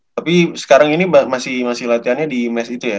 tapi sekarang ini masih masih latihannya di mes itu ya